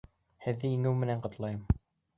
Һеҙҙе еңеү менән ҡотлайым!